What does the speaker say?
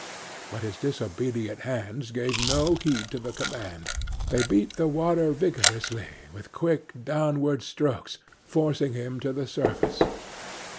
But his disobedient hands gave no heed to the command. They beat the water vigorously with quick, downward strokes, forcing him to the surface.